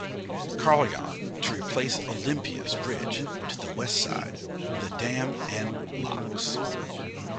Carlyon to replace Olympia's bridge to the westside with a dam and locks.